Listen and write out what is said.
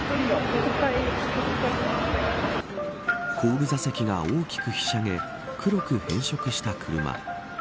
後部座席が大きくひしゃげ黒く変色した車。